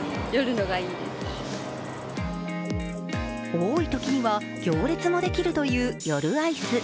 多いときには行列もできるという夜アイス。